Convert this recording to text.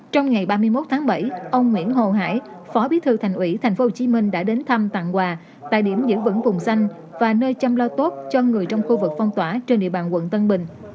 trong ngày ba mươi một tháng bảy ông nguyễn hồ hải phó bí thư thành ủy tp hcm đã đến thăm tặng quà tại điểm giữ vững vùng xanh và nơi chăm lo tốt cho người trong khu vực phong tỏa trên địa bàn quận tân bình